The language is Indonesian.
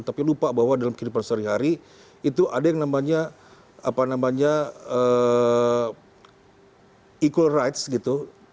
tapi lupa bahwa dalam kehidupan sehari hari itu ada yang namanya equal rights gitu